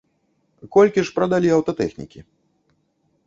Колькі ж прадалі аўтатэхнікі?